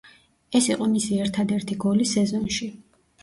ეს იყო მისი ერთადერთი გოლი სეზონში.